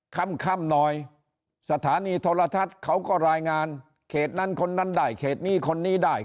ค่ำหน่อยสถานีโทรทัศน์เขาก็รายงานเขตนั้นคนนั้นได้เขตนี้คนนี้ได้